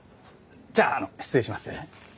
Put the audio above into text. じゃああの失礼します。